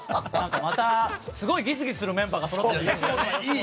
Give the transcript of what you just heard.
すごいギスギスするメンバーがそろってる。